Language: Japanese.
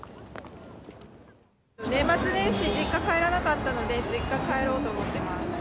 年末年始、実家帰らなかったので、実家帰ろうと思ってます。